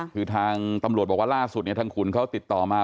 คือทางตำรวจบอกว่าล่าสุดเนี่ยทางขุนเขาติดต่อมา